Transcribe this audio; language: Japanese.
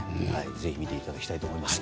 ぜひ、見ていただきたいと思います。